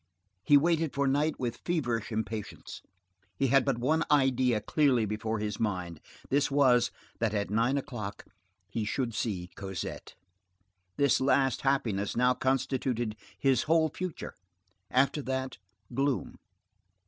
He waited for night with feverish impatience, he had but one idea clearly before his mind;—this was, that at nine o'clock he should see Cosette. This last happiness now constituted his whole future; after that, gloom.